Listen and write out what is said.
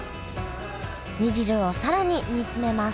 煮汁を更に煮詰めます